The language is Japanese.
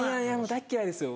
大っ嫌いですよ。